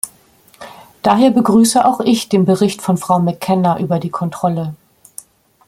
Daher begrüße auch ich den Bericht von Frau McKenna über die Kontrolle.